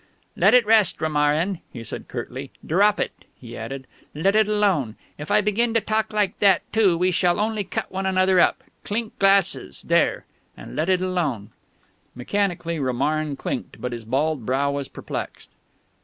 "Let it rest, Romarin," he said curtly. "Drop it," he added. "Let it alone. If I begin to talk like that, too, we shall only cut one another up. Clink glasses there and let it alone." Mechanically Romarin clinked; but his bald brow was perplexed.